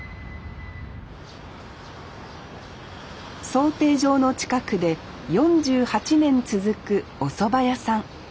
漕艇場の近くで４８年続くおそば屋さん